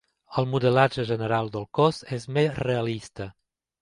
El modelatge general del cos és més realista.